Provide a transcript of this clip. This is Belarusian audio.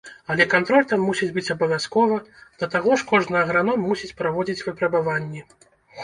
Але кантроль там мусіць быць абавязкова, да таго ж, кожны аграном мусіць праводзіць выпрабаванні.